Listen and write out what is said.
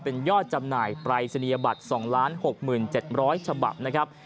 เป็นยอดจำหน่ายปรายศนียบัตร๒๖๗๐๐ฉบับนะครับ